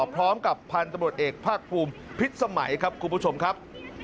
พร้อมกับพันธุ์ตำรวจเอกภาคภูมิพิษสมัยครับคุณผู้ชมครับ